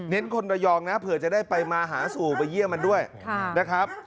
คนระยองนะเผื่อจะได้ไปมาหาสู่ไปเยี่ยมมันด้วยนะครับ